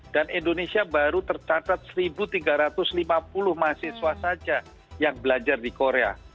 dan indonesia baru tercatat satu tiga ratus lima puluh mahasiswa saja yang belajar di korea